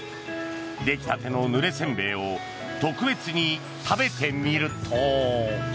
できたてのぬれ煎餅を特別に食べてみると。